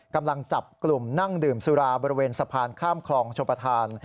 กำลังจับกลุ่มนั่งดื่มสุราบริเวณสะพานข้ามคลองชมประธาน